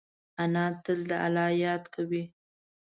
انا تل د الله یاد کوي